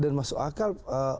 dan masuk akal